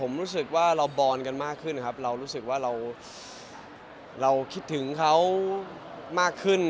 ผมรู้สึกว่าเราบอลกันมากขึ้นครับเรารู้สึกว่าเราคิดถึงเขามากขึ้น